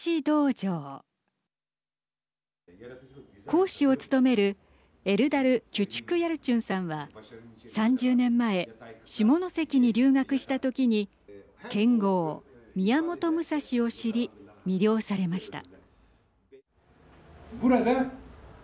講師を務めるエルダル・キュチュクヤルチュンさんは３０年前下関に留学したときに剣豪、宮本武蔵を知り魅了されました。